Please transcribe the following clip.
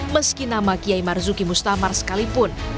meski nama kiai marzuki mustamar sekalipun